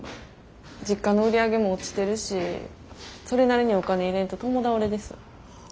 実家の売り上げも落ちてるしそれなりにお金入れんと共倒れです。